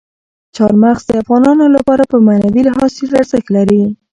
چار مغز د افغانانو لپاره په معنوي لحاظ ډېر ارزښت لري.